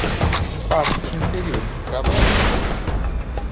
Parte inferior do trabalho